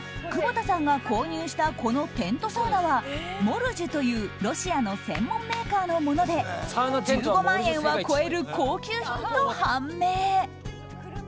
窪田さんが購入したこのテントサウナはモルジュというロシアの専門メーカーのもので１５万円は超える高級品と判明。